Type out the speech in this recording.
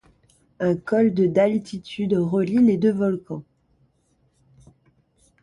Un col de d'altitude relie les deux volcans.